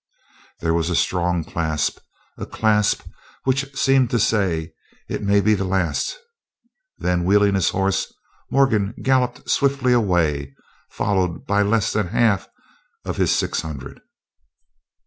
There was a strong clasp, a clasp which seemed to say "It may be the last," then, wheeling his horse, Morgan galloped swiftly away, followed by less than half of his six hundred.